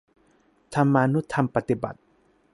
ธรรมานุธรรมปฏิบัติ